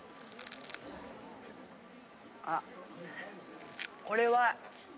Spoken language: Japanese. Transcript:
あこれは。